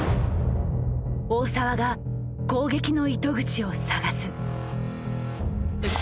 大澤が攻撃の糸口を探す。